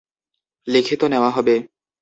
লিখিত নেওয়া হবে।